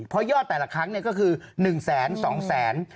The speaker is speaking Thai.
เพราะยอดแต่ละครั้งก็คือ๑แสน๒แสน